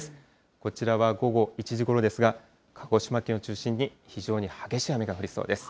こちらは午後１時ごろですが、鹿児島県を中心に、非常に激しい雨が降りそうです。